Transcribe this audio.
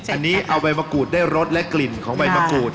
อันนี้เอาใบมะกรูดได้รสและกลิ่นของใบมะกรูด